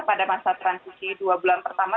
pada masa transisi dua bulan pertama